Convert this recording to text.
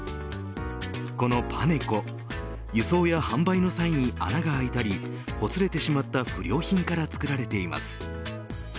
このＰＡＮＥＣＯ輸送や販売の際に穴が開いたりほつれてしまった不良品から作られています。